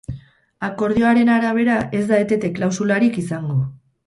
Akordioaren arabera ez da etete-klausularik izango.